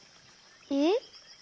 えっ？